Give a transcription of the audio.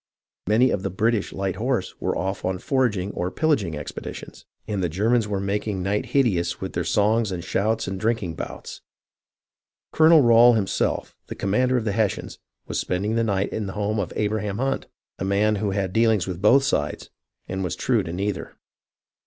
Many of the British light horse were off on foraging or pillaging expeditions, and the Germans were making night hideous with their songs and shouts and drinking bouts. Colonel Rail him self, the commander of the Hessians, was spending the night in the home of Abraham Hunt, a man who had deal ings with both sides, and was true to neither.